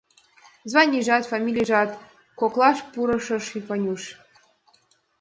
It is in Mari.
— Званийжат, фамилийжат! — коклаш пурыш Ванюш.